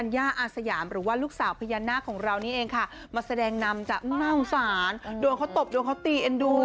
โดยเขาตบโดยเขาตี